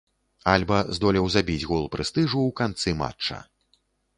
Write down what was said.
Альба здолеў забіць гол прэстыжу ў канцы матча.